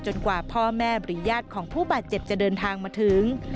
กว่าพ่อแม่หรือญาติของผู้บาดเจ็บจะเดินทางมาถึง